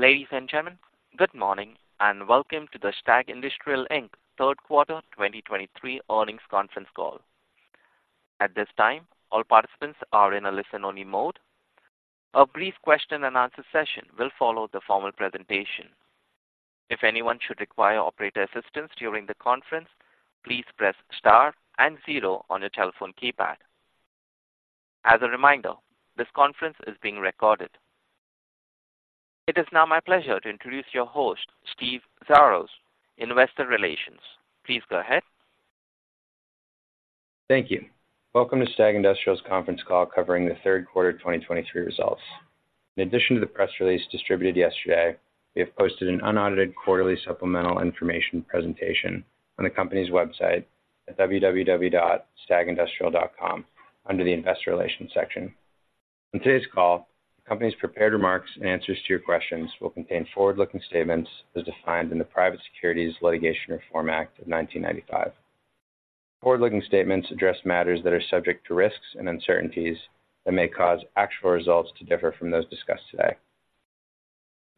Ladies and gentlemen, good morning, and welcome to the STAG Industrial, Inc third quarter 2023 earnings conference call. At this time, all participants are in a listen-only mode. A brief question and answer session will follow the formal presentation. If anyone should require operator assistance during the conference, please press star and zero on your telephone keypad. As a reminder, this conference is being recorded. It is now my pleasure to introduce your host, Steve Xiarhos, Investor Relations. Please go ahead. Thank you. Welcome to STAG Industrial's conference call covering the third quarter of 2023 results. In addition to the press release distributed yesterday, we have posted an unaudited quarterly supplemental information presentation on the company's website at www.stagindustrial.com under the Investor Relations section. On today's call, the company's prepared remarks and answers to your questions will contain forward-looking statements as defined in the Private Securities Litigation Reform Act of 1995. Forward-looking statements address matters that are subject to risks and uncertainties that may cause actual results to differ from those discussed today.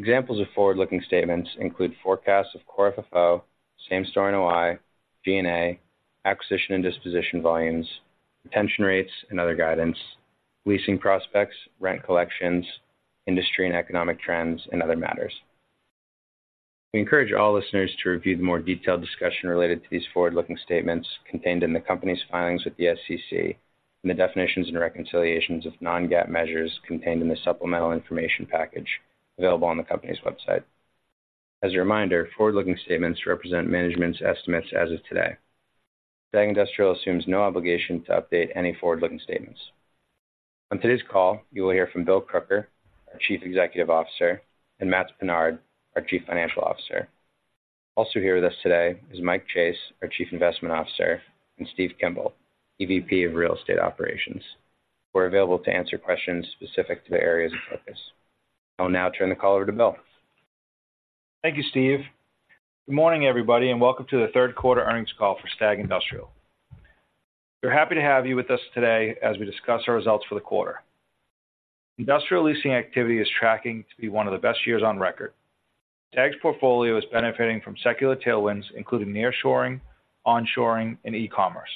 Examples of forward-looking statements include forecasts of Core FFO, Same-Store NOI, G&A, acquisition and disposition volumes, retention rates and other guidance, leasing prospects, rent collections, industry and economic trends, and other matters. We encourage all listeners to review the more detailed discussion related to these forward-looking statements contained in the company's filings with the SEC and the definitions and reconciliations of non-GAAP measures contained in the supplemental information package available on the company's website. As a reminder, forward-looking statements represent management's estimates as of today. STAG Industrial assumes no obligation to update any forward-looking statements. On today's call, you will hear from Bill Crooker, our Chief Executive Officer, and Matts Pinard, our Chief Financial Officer. Also here with us today is Mike Chase, our Chief Investment Officer, and Steve Kimball, EVP of Real Estate Operations, who are available to answer questions specific to their areas of focus. I'll now turn the call over to Bill. Thank you, Steve. Good morning, everybody, and welcome to the third quarter earnings call for STAG Industrial. We're happy to have you with us today as we discuss our results for the quarter. Industrial leasing activity is tracking to be one of the best years on record. STAG's portfolio is benefiting from secular tailwinds, including nearshoring, onshoring, and e-commerce.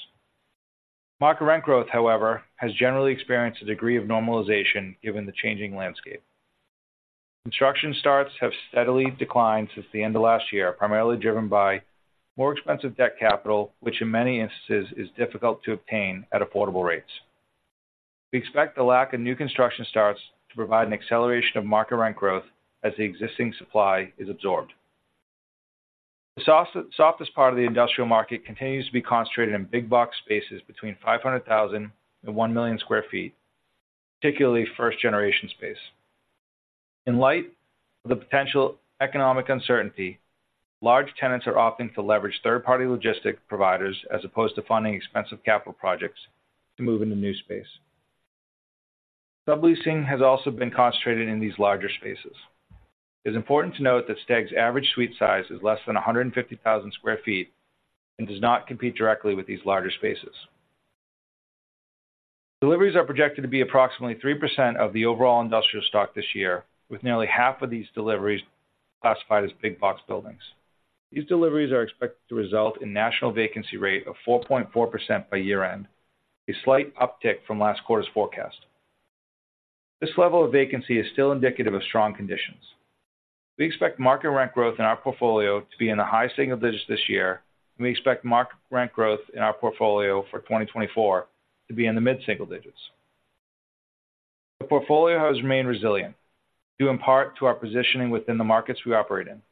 Market rent growth, however, has generally experienced a degree of normalization given the changing landscape. Construction starts have steadily declined since the end of last year, primarily driven by more expensive debt capital, which in many instances is difficult to obtain at affordable rates. We expect the lack of new construction starts to provide an acceleration of market rent growth as the existing supply is absorbed. The soft, softest part of the industrial market continues to be concentrated in big box spaces between 500,000 and 1,000,000 sq ft, particularly first-generation space. In light of the potential economic uncertainty, large tenants are opting to leverage third-party logistic providers as opposed to funding expensive capital projects to move into new space. Subleasing has also been concentrated in these larger spaces. It's important to note that STAG's average suite size is less than 150,000 sq ft and does not compete directly with these larger spaces. Deliveries are projected to be approximately 3% of the overall industrial stock this year, with nearly half of these deliveries classified as big box buildings. These deliveries are expected to result in national vacancy rate of 4.4% by year-end, a slight uptick from last quarter's forecast. This level of vacancy is still indicative of strong conditions. We expect market rent growth in our portfolio to be in the high single digits this year, and we expect market rent growth in our portfolio for 2024 to be in the mid-single digits. The portfolio has remained resilient, due in part to our positioning within the markets we operate in.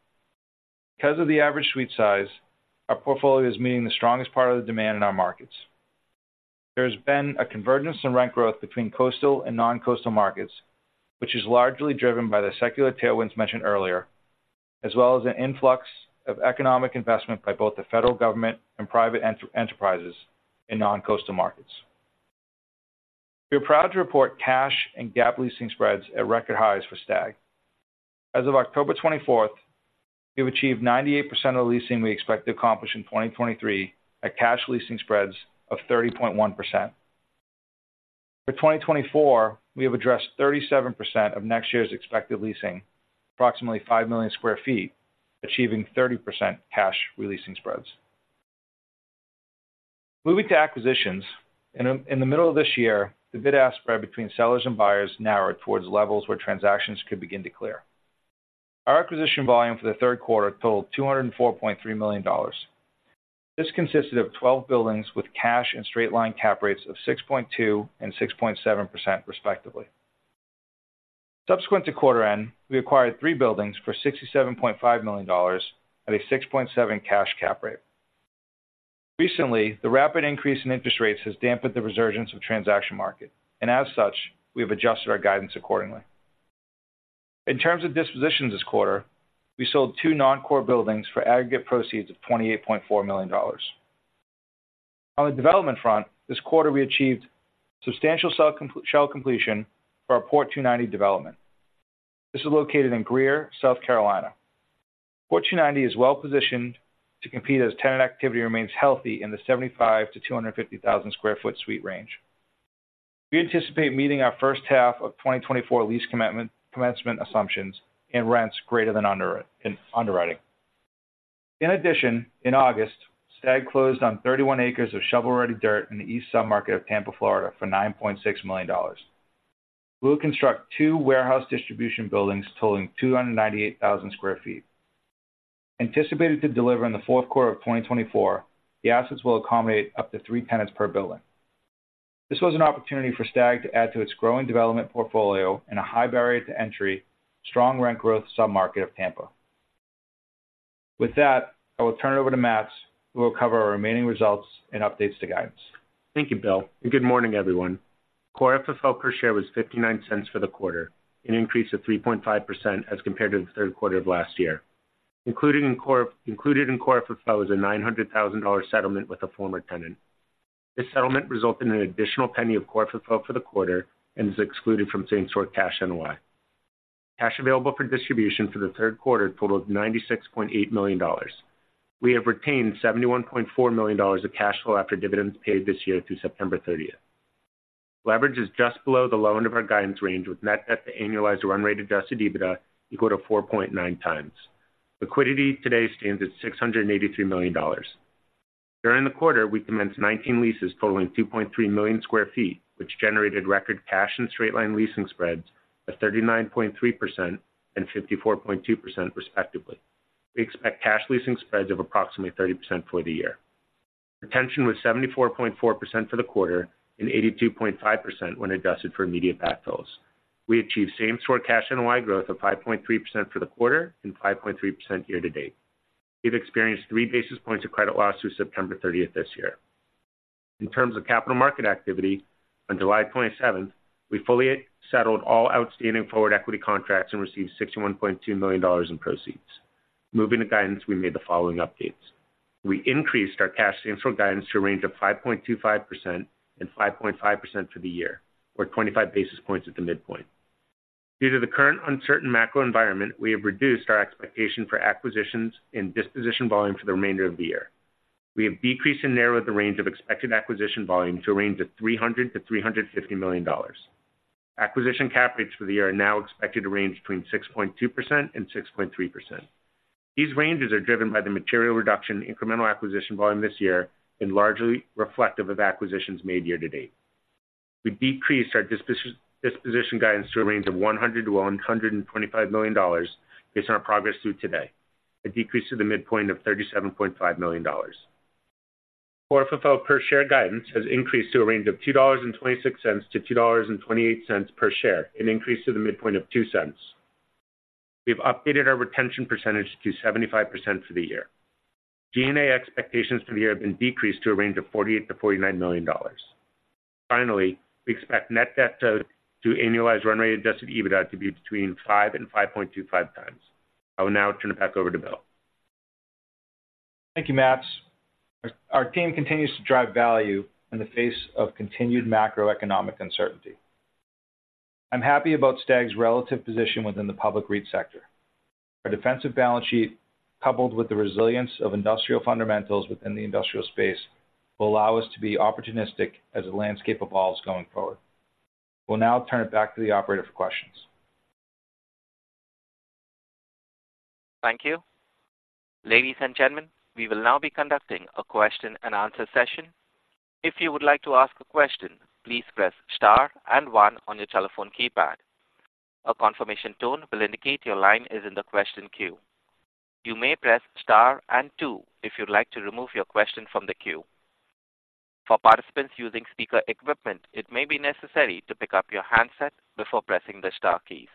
Because of the average suite size, our portfolio is meeting the strongest part of the demand in our markets. There has been a convergence in rent growth between coastal and non-coastal markets, which is largely driven by the secular tailwinds mentioned earlier, as well as an influx of economic investment by both the federal government and private enterprises in non-coastal markets. We are proud to report cash and GAAP leasing spreads at record highs for STAG. As of October 24th, we've achieved 98% of the leasing we expect to accomplish in 2023 at cash leasing spreads of 30.1%. For 2024, we have addressed 37% of next year's expected leasing, approximately 5 million sq ft, achieving 30% cash re-leasing spreads. Moving to acquisitions. In the middle of this year, the bid-ask spread between sellers and buyers narrowed towards levels where transactions could begin to clear. Our acquisition volume for the third quarter totaled $204.3 million. This consisted of 12 buildings with cash and straight-line cap rates of 6.2% and 6.7%, respectively. Subsequent to quarter end, we acquired three buildings for $67.5 million at a 6.7% cash cap rate. Recently, the rapid increase in interest rates has dampened the resurgence of transaction market, and as such, we have adjusted our guidance accordingly. In terms of dispositions this quarter, we sold two non-core buildings for aggregate proceeds of $28.4 million. On the development front, this quarter we achieved substantial shell completion for our Port 290 development. This is located in Greer, South Carolina. Port 290 is well positioned to compete as tenant activity remains healthy in the 75-250,000 sq ft suite range... We anticipate meeting our first half of 2024 lease commitment, commencement assumptions and rents greater than underwriting. In addition, in August, STAG closed on 31 acres of shovel-ready dirt in the east submarket of Tampa, Florida, for $9.6 million. We'll construct two warehouse distribution buildings totaling 298,000 sq ft. Anticipated to deliver in the fourth quarter of 2024, the assets will accommodate up to 3 tenants per building. This was an opportunity for STAG to add to its growing development portfolio in a high barrier to entry, strong rent growth submarket of Tampa. With that, I will turn it over to Matts, who will cover our remaining results and updates to guidance. Thank you, Bill, and good morning, everyone. Core FFO per share was $0.59 for the quarter, an increase of 3.5% as compared to the third quarter of last year. Included in core FFO is a $900,000 settlement with a former tenant. This settlement resulted in an additional $0.01 of core FFO for the quarter and is excluded from same-store cash NOI. Cash available for distribution for the third quarter totaled $96.8 million. We have retained $71.4 million of cash flow after dividends paid this year through September 30. Leverage is just below the low end of our guidance range, with net debt to annualized run rate adjusted EBITDA equal to 4.9x. Liquidity today stands at $683 million. During the quarter, we commenced 19 leases totaling 2.3 million sq ft, which generated record cash and straight-line leasing spreads of 39.3% and 54.2%, respectively. We expect cash leasing spreads of approximately 30% for the year. Retention was 74.4% for the quarter and 82.5% when adjusted for immediate backfills. We achieved same-store cash NOI growth of 5.3% for the quarter and 5.3% year-to-date. We've experienced 3 basis points of credit loss through September 30 this year. In terms of capital market activity, on July 27, we fully settled all outstanding forward equity contracts and received $61.2 million in proceeds. Moving to guidance, we made the following updates. We increased our cash same-store guidance to a range of 5.25% and 5.5% for the year, or 25 basis points at the midpoint. Due to the current uncertain macro environment, we have reduced our expectation for acquisitions and disposition volume for the remainder of the year. We have decreased and narrowed the range of expected acquisition volume to a range of $300 million-$350 million. Acquisition cap rates for the year are now expected to range between 6.2% and 6.3%. These ranges are driven by the material reduction in incremental acquisition volume this year and largely reflective of acquisitions made year to date. We decreased our disposition guidance to a range of $100 million-$125 million based on our progress through today, a decrease to the midpoint of $37.5 million. Core FFO per share guidance has increased to a range of $2.26-$2.28 per share, an increase to the midpoint of 2 cents. We've updated our retention percentage to 75% for the year. G&A expectations for the year have been decreased to a range of $48 million-$49 million. Finally, we expect net debt to annualized run rate adjusted EBITDA to be between 5 and 5.25 times. I will now turn it back over to Bill. Thank you, Matts. Our team continues to drive value in the face of continued macroeconomic uncertainty. I'm happy about STAG's relative position within the public REIT sector. Our defensive balance sheet, coupled with the resilience of industrial fundamentals within the industrial space, will allow us to be opportunistic as the landscape evolves going forward. We'll now turn it back to the operator for questions. Thank you. Ladies and gentlemen, we will now be conducting a question and answer session. If you would like to ask a question, please press star and one on your telephone keypad. A confirmation tone will indicate your line is in the question queue. You may press star and two if you'd like to remove your question from the queue. For participants using speaker equipment, it may be necessary to pick up your handset before pressing the star keys.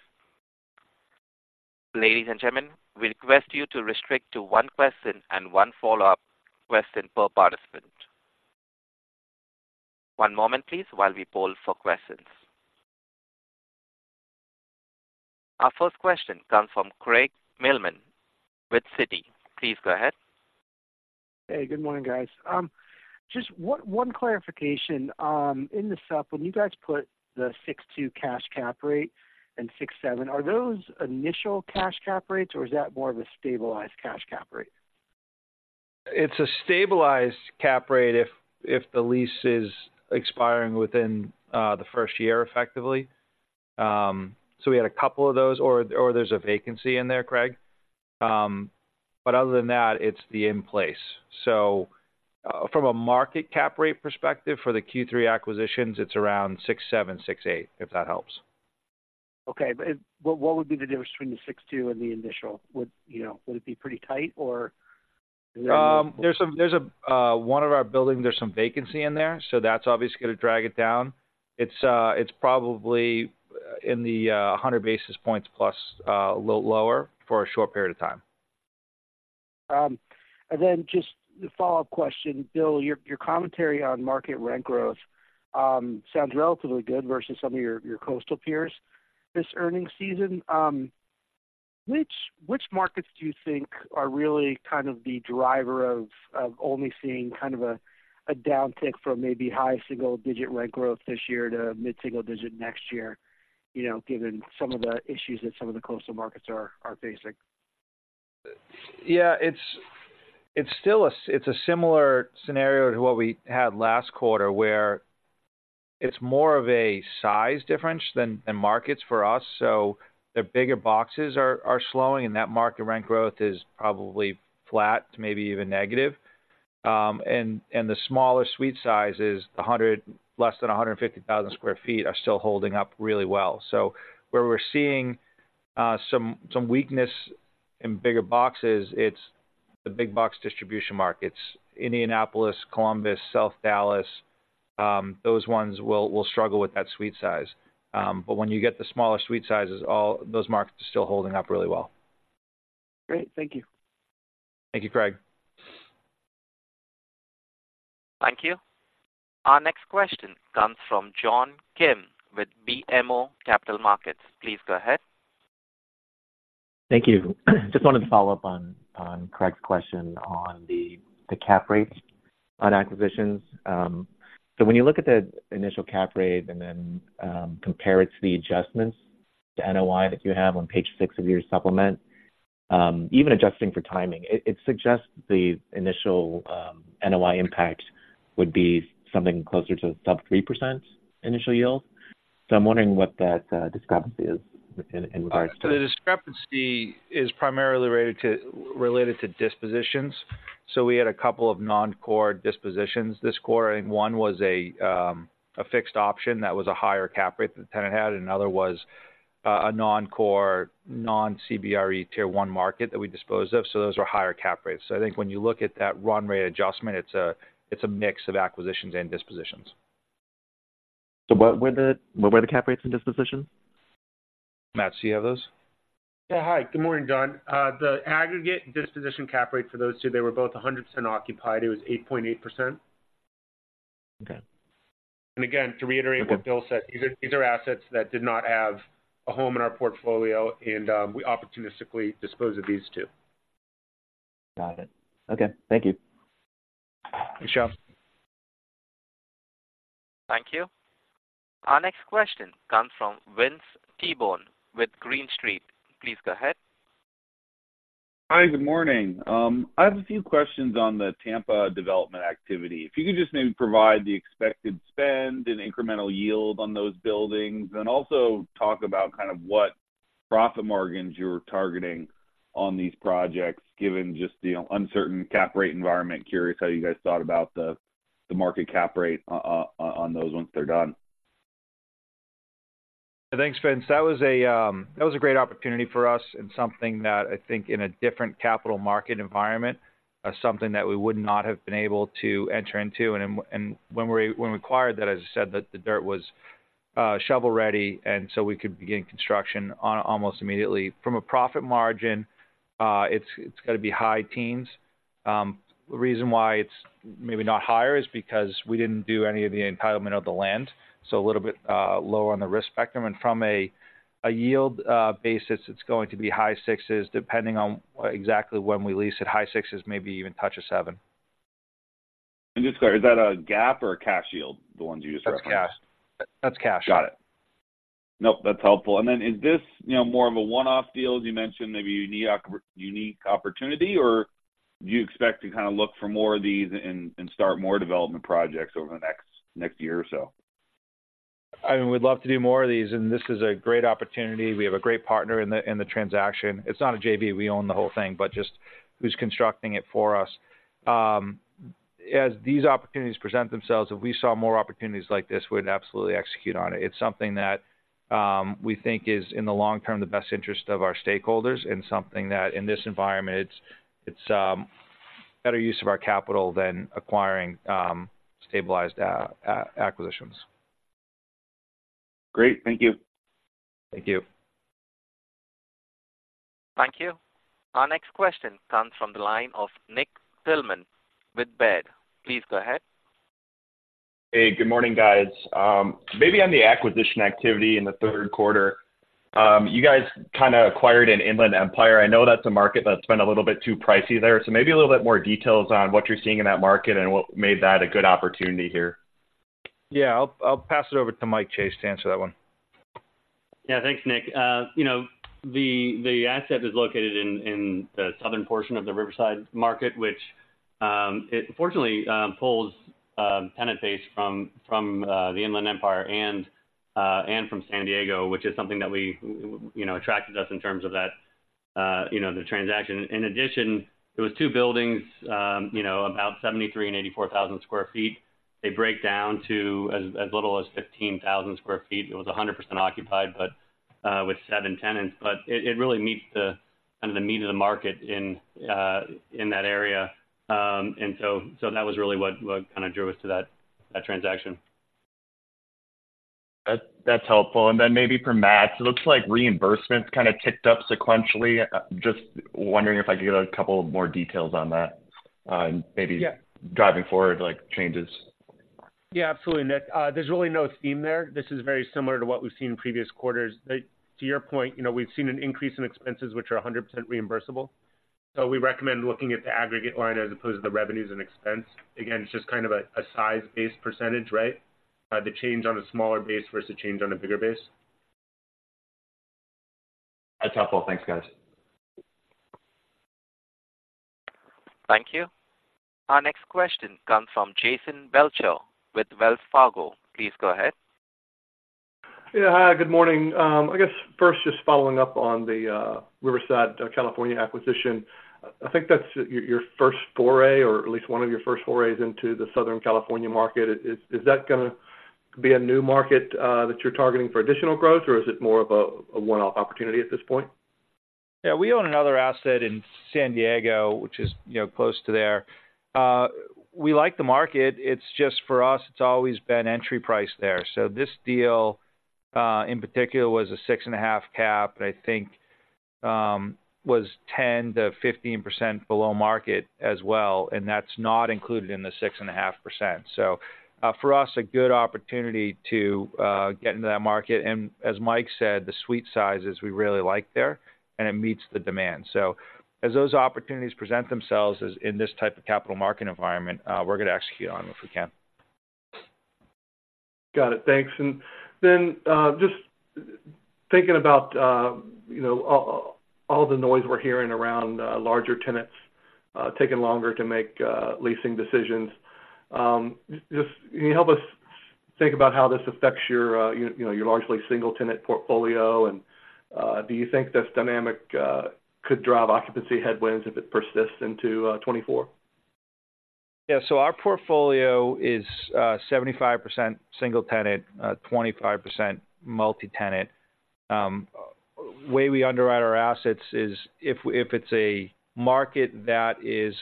Ladies and gentlemen, we request you to restrict to one question and one follow-up question per participant. One moment, please, while we poll for questions. Our first question comes from Craig Mailman with Citi. Please go ahead. Hey, good morning, guys. Just one clarification. In the Supp, when you guys put the 6.2 cash cap rate and 6.7, are those initial cash cap rates, or is that more of a stabilized cash cap rate? It's a stabilized cap rate if the lease is expiring within the first year, effectively. We had a couple of those, or there's a vacancy in there, Craig. Other than that, it's the in place. From a market cap rate perspective, for the Q3 acquisitions, it's around 6.7-6.8, if that helps. Okay. But what, what would be the difference between the 6.2 and the initial? Would, you know, would it be pretty tight, or...? There's some vacancy in one of our buildings, so that's obviously going to drag it down. It's probably in the 100 basis points plus lower for a short period of time. And then just a follow-up question. Bill, your commentary on market rent growth sounds relatively good versus some of your coastal peers this earnings season. Which markets do you think are really kind of the driver of only seeing kind of a downtick from maybe high single digit rent growth this year to mid-single digit next year, you know, given some of the issues that some of the coastal markets are facing?... Yeah, it's still a similar scenario to what we had last quarter, where it's more of a size difference than markets for us. So the bigger boxes are slowing, and that market rent growth is probably flat, maybe even negative. And the smaller suite sizes, 100, less than 150,000 sq ft, are still holding up really well. So where we're seeing some weakness in bigger boxes, it's the big box distribution markets. Indianapolis, Columbus, South Dallas, those ones will struggle with that suite size. But when you get the smaller suite sizes, all those markets are still holding up really well. Great. Thank you. Thank you, Craig. Thank you. Our next question comes from John Kim with BMO Capital Markets. Please go ahead. Thank you. Just wanted to follow up on Craig's question on the cap rates on acquisitions. So when you look at the initial cap rate and then compare it to the adjustments, the NOI that you have on page 6 of your supplement, even adjusting for timing, it suggests the initial NOI impact would be something closer to sub-3% initial yield. So I'm wondering what that discrepancy is in regards to- The discrepancy is primarily related to dispositions. So we had a couple of non-core dispositions this quarter, and one was a fixed option that was a higher Cap Rate the tenant had, another was a non-core, non-CBRE Tier 1 market that we disposed of. So those were higher cap rates. So I think when you look at that run rate adjustment, it's a mix of acquisitions and dispositions. So what were the cap rates and dispositions? Matt, do you have those? Yeah. Hi, good morning, John. The aggregate disposition cap rate for those two, they were both 100% occupied. It was 8.8%. Okay. And again, to reiterate what Bill said, these are assets that did not have a home in our portfolio, and we opportunistically disposed of these two. Got it. Okay. Thank you. Sure. Thank you. Our next question comes from Vince Tibone with Green Street. Please go ahead. Hi, good morning. I have a few questions on the Tampa development activity. If you could just maybe provide the expected spend and incremental yield on those buildings, and also talk about kind of what profit margins you're targeting on these projects, given just the uncertain cap rate environment. Curious how you guys thought about the market cap rate on those once they're done? Thanks, Vince. That was a, that was a great opportunity for us and something that I think in a different capital market environment, something that we would not have been able to enter into. And, and when we, when we acquired that, as I said, the, the dirt was, shovel-ready, and so we could begin construction on almost immediately. From a profit margin, it's, it's gonna be high teens. The reason why it's maybe not higher is because we didn't do any of the entitlement of the land, so a little bit, lower on the risk spectrum, and from a, a yield, basis, it's going to be high sixes, depending on exactly when we lease it. High sixes, maybe even touch a seven. And just clear, is that a GAAP or a cash yield? The ones you just referenced. That's cash. That's cash. Got it. Nope, that's helpful. And then, is this, you know, more of a one-off deal, as you mentioned, maybe unique opportunity, or do you expect to kind of look for more of these and start more development projects over the next year or so? I mean, we'd love to do more of these, and this is a great opportunity. We have a great partner in the transaction. It's not a JV, we own the whole thing, but just who's constructing it for us. As these opportunities present themselves, if we saw more opportunities like this, we'd absolutely execute on it. It's something that we think is, in the long term, the best interest of our stakeholders and something that, in this environment, it's better use of our capital than acquiring stabilized acquisitions. Great. Thank you. Thank you. Thank you. Our next question comes from the line of Nick Thillman with Baird. Please go ahead. Hey, good morning, guys. Maybe on the acquisition activity in the third quarter, you guys kind of acquired an Inland Empire. I know that's a market that's been a little bit too pricey there, so maybe a little bit more details on what you're seeing in that market and what made that a good opportunity here? Yeah, I'll pass it over to Mike Chase to answer that one. Yeah, thanks, Nick. You know, the asset is located in the southern portion of the Riverside market, which it fortunately pulls tenant base from the Inland Empire and from San Diego, which is something that we, you know, attracted us in terms of that, you know, the transaction. In addition, it was two buildings, you know, about 73,000 and 84,000 sq ft. They break down to as little as 15,000 sq ft. It was 100% occupied, but with seven tenants. But it really meets kind of the meat of the market in that area. And so that was really what kind of drew us to that transaction. That's, that's helpful. Then maybe for Matts, it looks like reimbursements kind of ticked up sequentially. Just wondering if I could get a couple of more details on that, maybe- Yeah. -driving forward, like, changes? Yeah, absolutely, Nick. There's really no theme there. This is very similar to what we've seen in previous quarters. To your point, you know, we've seen an increase in expenses, which are 100% reimbursable. So we recommend looking at the aggregate line as opposed to the revenues and expense. Again, it's just kind of a size-based percentage, right? The change on a smaller base versus a change on a bigger base.... That's helpful. Thanks, guys. Thank you. Our next question comes from Jason Belcher with Wells Fargo. Please go ahead. Yeah, hi, good morning. I guess first, just following up on the Riverside, California, acquisition. I think that's your, your first foray, or at least one of your first forays into the Southern California market. Is, is, is that gonna be a new market that you're targeting for additional growth, or is it more of a, a one-off opportunity at this point? Yeah, we own another asset in San Diego, which is, you know, close to there. We like the market. It's just for us, it's always been entry price there. So this deal, in particular, was a 6.5 cap, and I think, was 10%-15% below market as well, and that's not included in the 6.5%. So, for us, a good opportunity to get into that market. And as Mike said, the suite sizes we really like there, and it meets the demand. So as those opportunities present themselves as in this type of capital market environment, we're gonna execute on them if we can. Got it. Thanks. And then, just thinking about, you know, all, all, all the noise we're hearing around, larger tenants, taking longer to make, leasing decisions. Just can you help us think about how this affects your, you know, your largely single-tenant portfolio, and, do you think this dynamic, could drive occupancy headwinds if it persists into, 2024? Yeah, so our portfolio is 75% single tenant, 25% multi-tenant. The way we underwrite our assets is if it's a market that is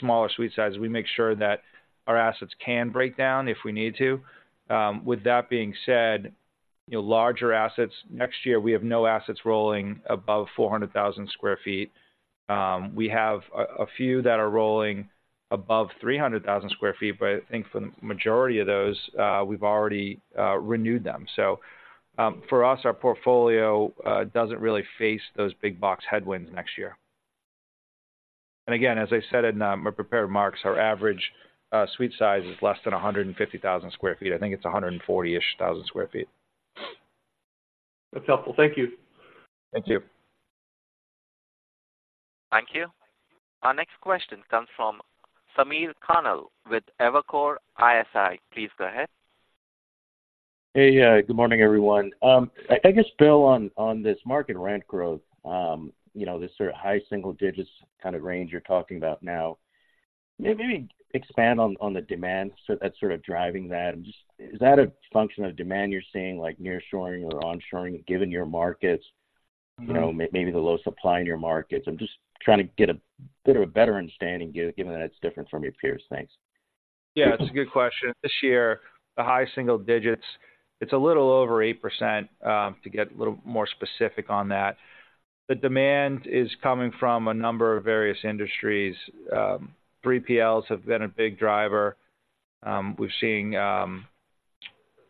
smaller suite size, we make sure that our assets can break down if we need to. With that being said, you know, larger assets. Next year, we have no assets rolling above 400,000 sq ft. We have a few that are rolling above 300,000 sq ft, but I think for the majority of those, we've already renewed them. So, for us, our portfolio doesn't really face those big box headwinds next year. And again, as I said in my prepared remarks, our average suite size is less than 150,000 sq ft. I think it's 140-ish thousand sq ft. That's helpful. Thank you. Thank you. Thank you. Our next question comes from Samir Khanal with Evercore ISI. Please go ahead. Hey, good morning, everyone. I guess, Bill, on, on this market rent growth, you know, this sort of high single digits kind of range you're talking about now, maybe expand on, on the demand, so that's sort of driving that. And just, is that a function of demand you're seeing, like nearshoring or onshoring, given your markets? Mm-hmm. You know, maybe the low supply in your markets? I'm just trying to get a bit of a better understanding, given that it's different from your peers. Thanks. Yeah, it's a good question. This year, the high single digits, it's a little over 8%, to get a little more specific on that. The demand is coming from a number of various industries. 3PLs have been a big driver. We're seeing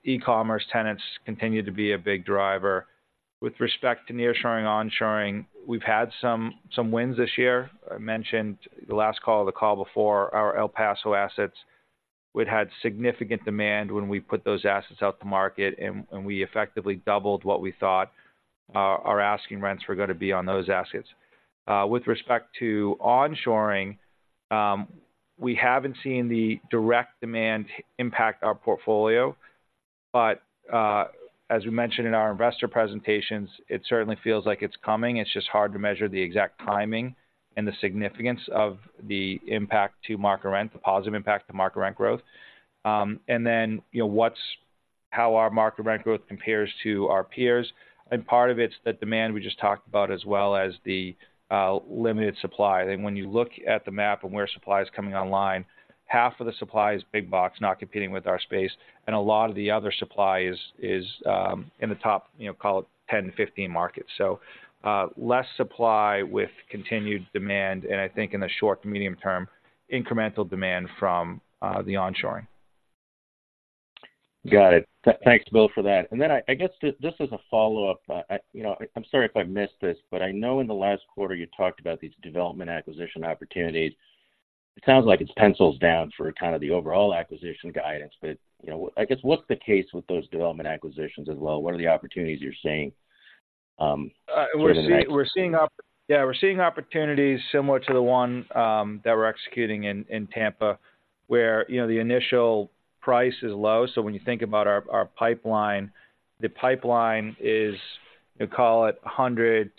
e-commerce tenants continue to be a big driver. With respect to nearshoring, onshoring, we've had some wins this year. I mentioned the last call, the call before, our El Paso assets. We'd had significant demand when we put those assets out to market, and we effectively doubled what we thought our asking rents were gonna be on those assets. With respect to onshoring, we haven't seen the direct demand impact our portfolio, but as we mentioned in our investor presentations, it certainly feels like it's coming. It's just hard to measure the exact timing and the significance of the impact to market rent, the positive impact to market rent growth. And then, you know, how our market rent growth compares to our peers, and part of it's the demand we just talked about, as well as the limited supply. Then when you look at the map and where supply is coming online, half of the supply is big box, not competing with our space, and a lot of the other supply is in the top, you know, call it 10, 15 markets. So, less supply with continued demand, and I think in the short to medium term, incremental demand from the onshoring. Got it. Thanks, Bill, for that. And then I guess, just as a follow-up, you know, I'm sorry if I missed this, but I know in the last quarter, you talked about these development acquisition opportunities. It sounds like it's pencils down for kind of the overall acquisition guidance, but, you know, I guess, what's the case with those development acquisitions as well? What are the opportunities you're seeing, for the next- We're seeing yeah, we're seeing opportunities similar to the one that we're executing in Tampa, where, you know, the initial price is low. So when you think about our pipeline, the pipeline is, you call it, $100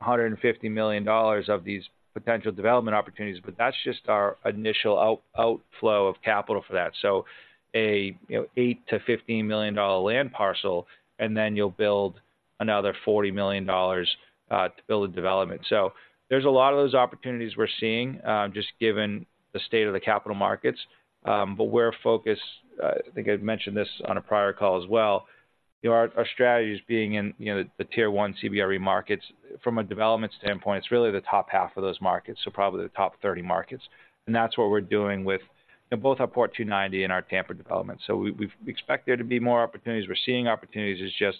million-$150 million of these potential development opportunities, but that's just our initial outflow of capital for that. So a, you know, $8 million-$15 million land parcel, and then you'll build another $40 million to build a development. So there's a lot of those opportunities we're seeing just given the state of the capital markets. But we're focused I think I've mentioned this on a prior call as well, you know, our strategy is being in the Tier One CBRE markets. From a development standpoint, it's really the top half of those markets, so probably the top 30 markets. And that's what we're doing with, you know, both our Port 290 and our Tampa development. So we expect there to be more opportunities. We're seeing opportunities, it's just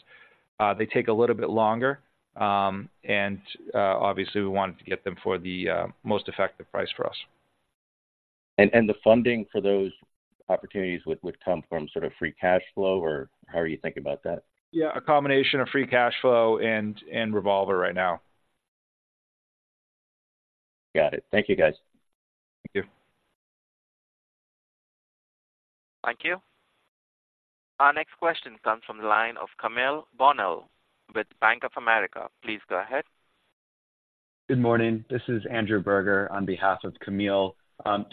they take a little bit longer, and obviously, we wanted to get them for the most effective price for us. ... And the funding for those opportunities would come from sort of free cash flow, or how are you thinking about that? Yeah, a combination of free cash flow and revolver right now. Got it. Thank you, guys. Thank you. Thank you. Our next question comes from the line of Camille Bonnel with Bank of America. Please go ahead. Good morning. This is Andrew Berger on behalf of Camille.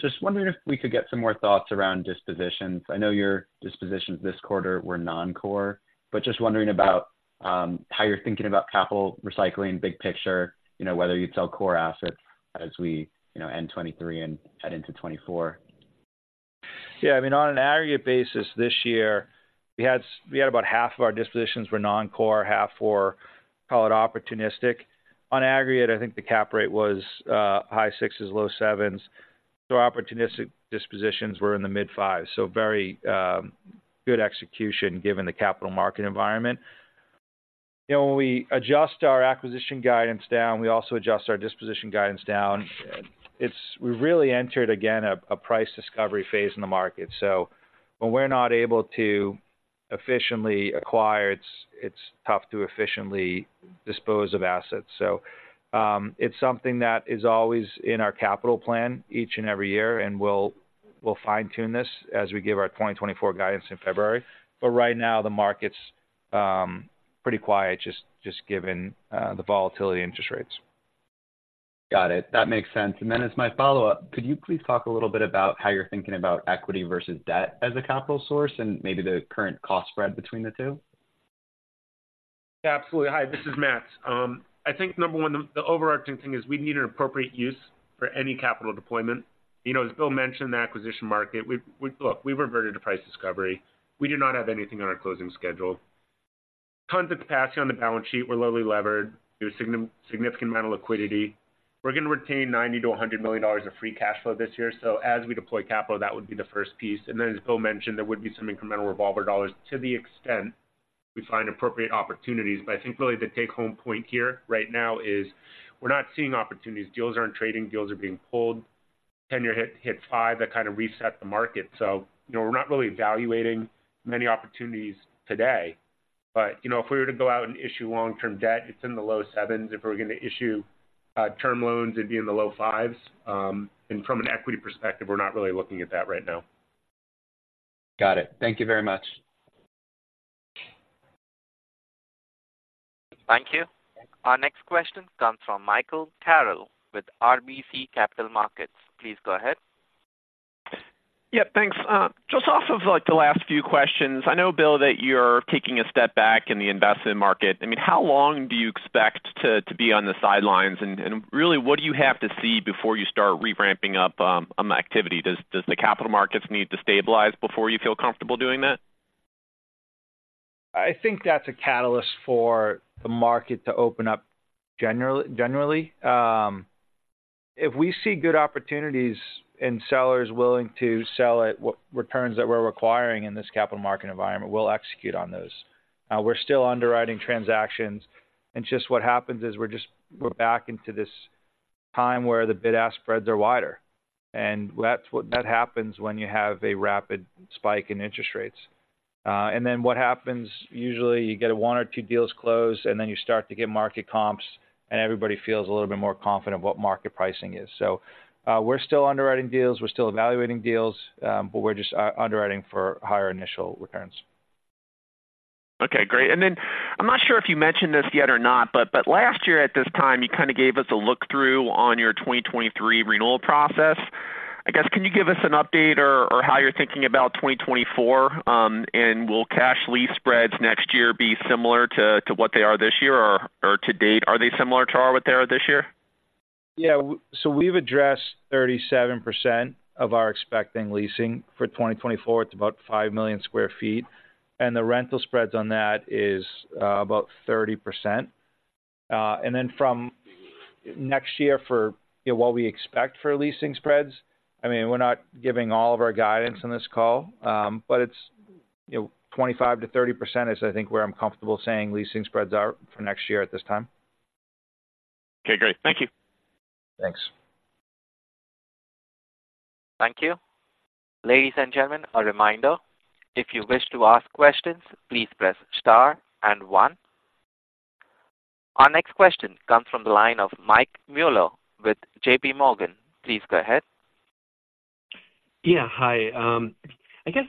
Just wondering if we could get some more thoughts around dispositions. I know your dispositions this quarter were non-core, but just wondering about how you're thinking about capital recycling, big picture, you know, whether you'd sell core assets as we, you know, end 2023 and head into 2024. Yeah, I mean, on an aggregate basis, this year, we had about half of our dispositions were non-core, half were, call it, opportunistic. On aggregate, I think the cap rate was high 6s-low 7s, so opportunistic dispositions were in the mid-5s. So very good execution, given the capital market environment. You know, when we adjust our acquisition guidance down, we also adjust our disposition guidance down. It's. We've really entered, again, a price discovery phase in the market. So when we're not able to efficiently acquire, it's tough to efficiently dispose of assets. So it's something that is always in our capital plan each and every year, and we'll fine-tune this as we give our 2024 guidance in February. But right now, the market's pretty quiet, just given the volatility interest rates. Got it. That makes sense. And then as my follow-up, could you please talk a little bit about how you're thinking about equity versus debt as a capital source and maybe the current cost spread between the two? Absolutely. Hi, this is Matts. I think, number one, the overarching thing is we need an appropriate use for any capital deployment. You know, as Bill mentioned, the acquisition market, we, we... Look, we've reverted to price discovery. We do not have anything on our closing schedule. Tons of capacity on the balance sheet. We're lowly levered. There's a significant amount of liquidity. We're going to retain $90-$100 million of free cash flow this year, so as we deploy capital, that would be the first piece. Then, as Bill mentioned, there would be some incremental revolver dollars to the extent we find appropriate opportunities. I think really the take-home point here right now is we're not seeing opportunities. Deals aren't trading. Deals are being pulled. Ten-year hit, hit five, that kind of reset the market. You know, we're not really evaluating many opportunities today. But, you know, if we were to go out and issue long-term debt, it's in the low 7s. If we're going to issue term loans, it'd be in the low 5s. And from an equity perspective, we're not really looking at that right now. Got it. Thank you very much. Thank you. Our next question comes from Michael Carroll with RBC Capital Markets. Please go ahead. Yeah, thanks. Just off of, like, the last few questions, I know, Bill, that you're taking a step back in the investment market. I mean, how long do you expect to be on the sidelines? And really, what do you have to see before you start revamping up on the activity? Does the capital markets need to stabilize before you feel comfortable doing that? I think that's a catalyst for the market to open up generally. If we see good opportunities and sellers willing to sell at what returns that we're requiring in this capital market environment, we'll execute on those. We're still underwriting transactions, and just what happens is, we're back into this time where the bid-ask spreads are wider. And that's what happens when you have a rapid spike in interest rates. And then what happens, usually you get one or two deals closed, and then you start to get market comps, and everybody feels a little bit more confident what market pricing is. We're still underwriting deals, we're still evaluating deals, but we're just underwriting for higher initial returns. Okay, great. And then I'm not sure if you mentioned this yet or not, but last year at this time, you kind of gave us a look-through on your 2023 renewal process. I guess, can you give us an update or how you're thinking about 2024? And will cash lease spreads next year be similar to what they are this year or to date, are they similar to what they are this year? Yeah. So we've addressed 37% of our expecting leasing for 2024. It's about 5 million sq ft, and the rental spreads on that is, about 30%. And then from next year for, you know, what we expect for leasing spreads, I mean, we're not giving all of our guidance on this call, but it's, you know, 25%-30% is, I think, where I'm comfortable saying leasing spreads are for next year at this time. Okay, great. Thank you. Thanks. Thank you. Ladies and gentlemen, a reminder, if you wish to ask questions, please press star and one. Our next question comes from the line of Mike Mueller with JPMorgan. Please go ahead. Yeah, hi. I guess,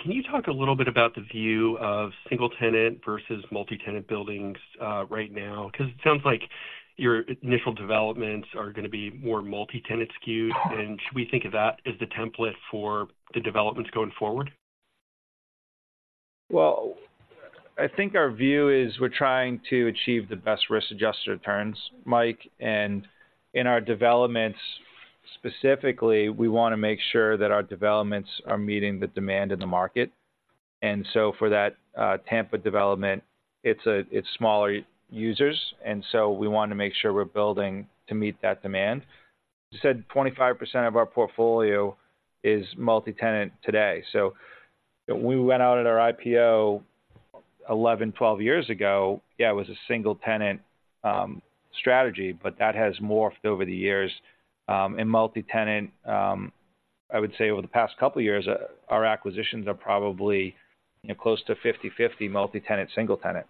can you talk a little bit about the view of single-tenant versus multi-tenant buildings, right now? Because it sounds like your initial developments are going to be more multi-tenant skewed. And should we think of that as the template for the developments going forward? Well, I think our view is we're trying to achieve the best risk-adjusted returns, Mike, and in our developments specifically, we want to make sure that our developments are meeting the demand in the market. And so for that, Tampa development, it's smaller users, and so we want to make sure we're building to meet that demand. I said 25% of our portfolio is multi-tenant today. So when we went out at our IPO 11, 12 years ago, yeah, it was a single-tenant strategy, but that has morphed over the years. And multi-tenant, I would say over the past couple of years, our acquisitions are probably, you know, close to 50/50 multi-tenant, single tenant.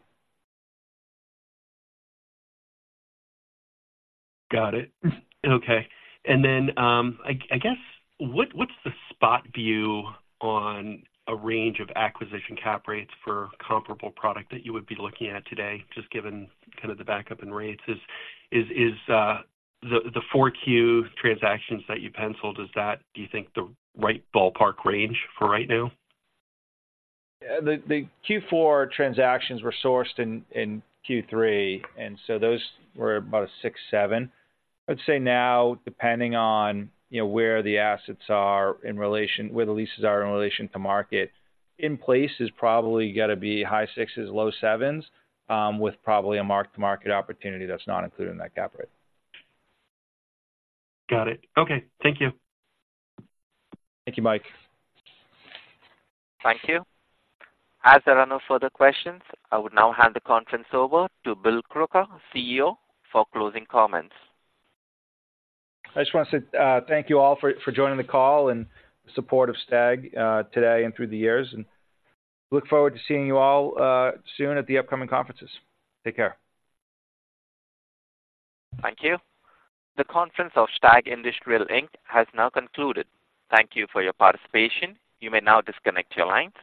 Got it. Okay. And then, I guess, what's the spot view on a range of acquisition cap rates for comparable product that you would be looking at today, just given kind of the backup in rates? Is the 4Q transactions that you penciled, is that, do you think, the right ballpark range for right now? The Q4 transactions were sourced in Q3, and so those were about a 6-7. I'd say now, depending on, you know, where the assets are in relation—where the leases are in relation to market, in place is probably gonna be high 6s, low 7s, with probably a mark-to-market opportunity that's not included in that cap rate. Got it. Okay. Thank you. Thank you, Mike. Thank you. As there are no further questions, I would now hand the conference over to Bill Crooker, CEO, for closing comments. I just want to say, thank you all for, for joining the call and the support of STAG, today and through the years, and look forward to seeing you all, soon at the upcoming conferences. Take care. Thank you. The conference of STAG Industrial Inc. has now concluded. Thank you for your participation. You may now disconnect your lines.